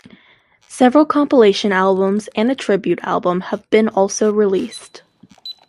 Several compilation albums and a tribute album have been also released.